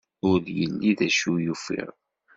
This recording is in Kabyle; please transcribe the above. Ur yelli d acu i ufiɣ.